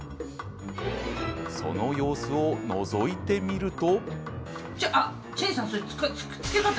その様子をのぞいてみると。